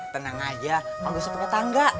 tenang aja aku gak punya tangga